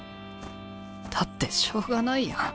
だってしょうがないやん。